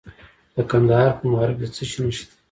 د کندهار په معروف کې د څه شي نښې دي؟